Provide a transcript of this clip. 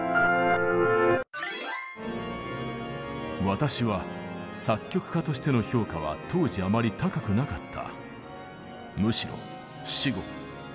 私は作曲家としての評価は当時あまり高くなかった。